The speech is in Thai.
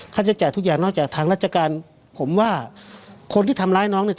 ใช้จ่ายทุกอย่างนอกจากทางราชการผมว่าคนที่ทำร้ายน้องเนี่ย